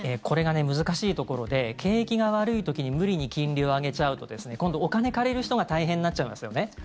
これが難しいところで景気が悪い時に無理に金利を上げちゃうと今度、お金借りる人が大変になっちゃいますよね。